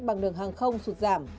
bằng đường hàng không sụt giảm